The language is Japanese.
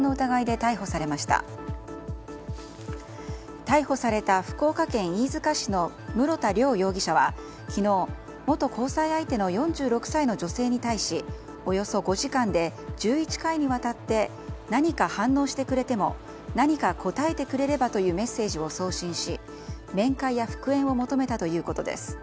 逮捕された福岡県飯塚市の室田遼容疑者は昨日、元交際相手の４６歳の女性に対しおよそ５時間で１１回にわたって何か反応してくれても何かこたえてくれればというメッセージを送信し面会や復縁を求めたということです。